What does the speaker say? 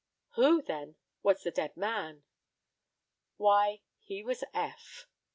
Who, then, was the dead man? Why, he was Eph.